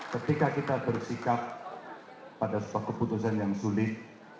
ketika kita bersikap pada suatu keputusan yang sulit